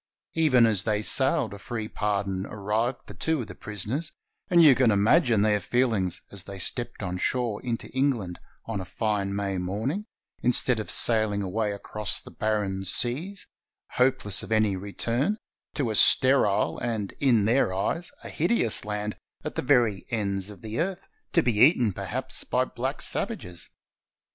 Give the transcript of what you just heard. Even as they sailed a free pardon arrived for two of the prisoners, and you can imagine their feel ings as they stepped on shore into England on a fine May morning, instead of sailing away across the barren seas, hopeless of any return, to a sterile, and, in their eyes, a hideous land, at the very ends of the earth, to be eaten, perhaps, by black savages.